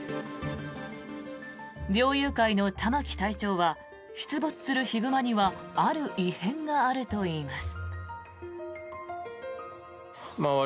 猟友会の玉木隊長は出没するヒグマにはある異変があるといいます。